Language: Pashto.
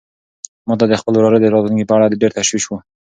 ما ته د خپل وراره د راتلونکي په اړه ډېر تشویش و.